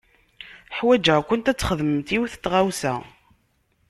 Uḥwaǧeɣ-kent ad txedmemt yiwet n tɣawsa.